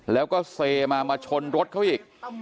แล้วก็เซมามาชนรถเขาอีก